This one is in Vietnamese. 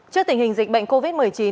trước tình hình dịch bệnh covid một mươi chín